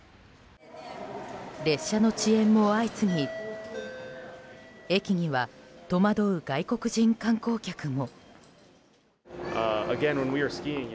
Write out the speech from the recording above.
列車の遅延も相次ぎ駅には、戸惑う外国人観光客も。